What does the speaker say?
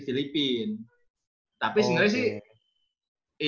filipina tapi sebenernya sih